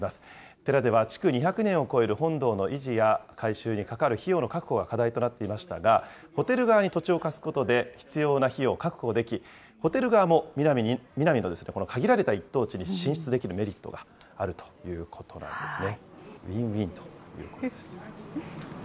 寺では築２００年を超える本堂の維持や、改修にかかる費用の確保が課題となっていましたが、ホテル側に土地を貸すことで、必要な費用を確保でき、ホテル側もミナミの限られた一等地に進出できるメリットがあるということなんですね。